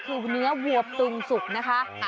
ลาบก็คือเนื้อหววบตุ่งสุกนะคะ